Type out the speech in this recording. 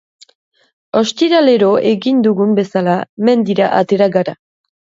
Ostiralero egin dugun bezala, mendira atera gara.